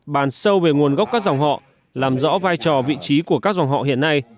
bàn sâu về nguồn gốc các dòng họ làm rõ vai trò vị trí của các dòng họ hiện nay